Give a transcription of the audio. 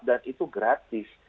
dan itu gratis